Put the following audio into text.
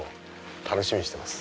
楽しみにしてます。